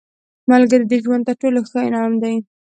ملګری د ژوند تر ټولو ښه انعام دی